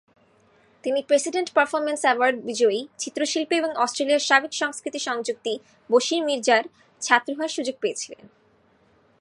তিনি president performance award বিজয়ী, চিত্রশিল্পী এবং অস্ট্রেলিয়ার সাবেক সংস্কৃতি সংযুক্তি বশির মির্জার ছাত্র হওয়ার সুযোগ পেয়েছিলেন।